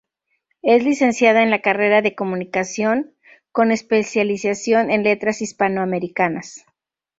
Es licenciada en la Carrera de Comunicación, con especialización en Letras Hispanoamericanas.